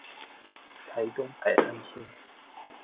臺東海岸線